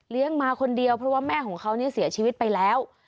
มาคนเดียวเพราะว่าแม่ของเขาเนี่ยเสียชีวิตไปแล้ว